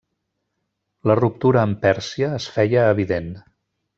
La ruptura amb Pèrsia es feia evident.